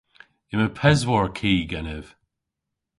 Yma peswar ki genev.